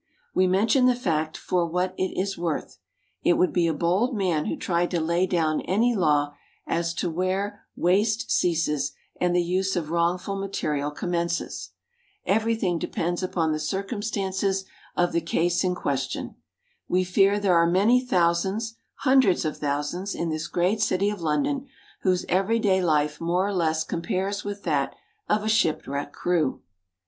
We mention the fact for what it is worth. It would be a bold man who tried to lay down any law as to where waste ceases and the use of wrongful material commences. Everything depends upon the circumstances of the case in question. We fear there are many thousands, hundreds of thousands, in this great city of London, whose everyday life more or less compares with that of a shipwrecked crew.